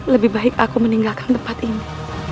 lebih baik aku meninggalkan tempat ini